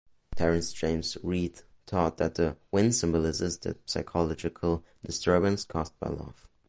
Terence James Reed thought that the wind symbolises the psychological disturbance caused by love.